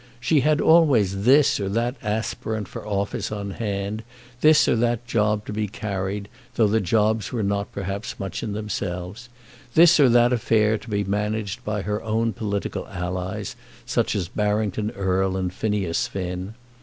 She had always this or that aspirant for office on hand; this or that job to be carried, though the jobs were not perhaps much in themselves; this or that affair to be managed by her own political allies, such as Barrington Erle and Phineas Finn.